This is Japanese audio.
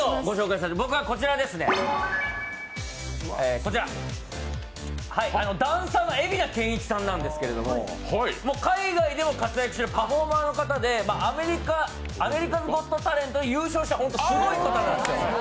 僕はダンサーの蛯名健一さんなんですけど海外でも活躍しているパフォーマーの方で「アメリカズ・ゴット・タレント」で優勝したすごい方なんですよ。